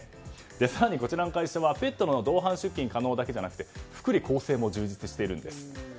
更に、こちらの会社はペットの同伴出勤可能だけじゃなくて福利厚生も充実しているんです。